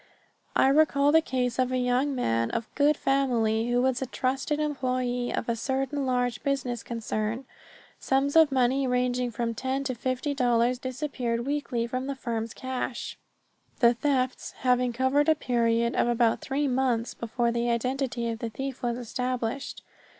I recall the case of a young man of good family who was a trusted employee of a certain large business concern. Sums of money ranging from ten to fifty dollars disappeared weekly from the firm's cash, the thefts having covered a period of about three months before the identity of the thief was established.